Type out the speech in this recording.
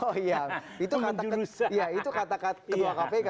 oh iya itu kata ketua kpk